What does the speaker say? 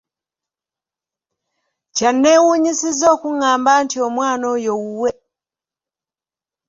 Kyannewuunyisizza okuղղamba nti omwana oyo wuwe!